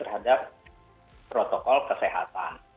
terhadap protokol kesehatan